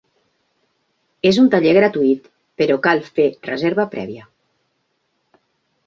És un taller gratuït, però cal fer reserva prèvia.